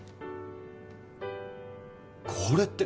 これって。